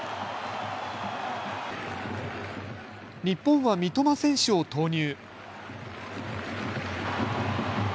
日本は三笘選手を投入。